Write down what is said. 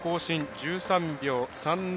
１３秒３７。